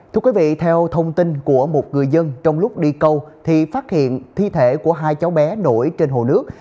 thưa quý vị theo thông tin của một người dân trong lúc đi câu thì phát hiện thi thể của hai cháu bé nổi trên hồ nước